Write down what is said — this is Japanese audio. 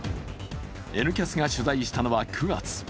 「Ｎキャス」が取材したのは９月。